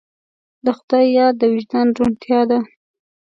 د خدای یاد د وجدان روڼتیا ده.